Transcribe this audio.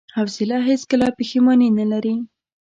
حوصله هیڅکله پښېماني نه لري.